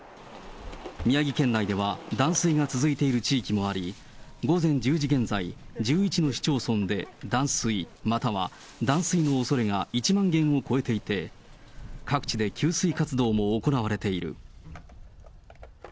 宮城県内では断水が続いている地域もあり、午前１０時現在、１１の市町村で断水、または断水のおそれが１万軒を超えていて、各地で給水活動も行われている。